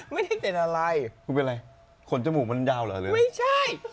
ไม่ได้เป็นอะไรคุณเป็นอะไรขนจมูกมันยาวเหรอหรือไม่ใช่